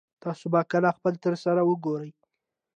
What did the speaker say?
تاسو به کله خپل تره سره وګورئ